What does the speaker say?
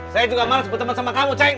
saya juga males berteman sama kamu